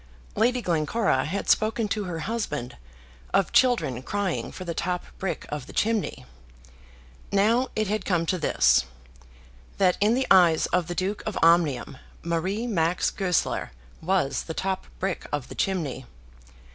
Lady Glencora had spoken to her husband of children crying for the top brick of the chimney. Now it had come to this, that in the eyes of the Duke of Omnium Marie Max Goesler was the top brick of the chimney.